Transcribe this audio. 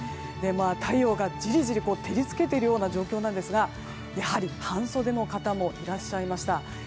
太陽が、じりじりと照り付けているような状況ですがやはり、半袖の方もいらっしゃいました。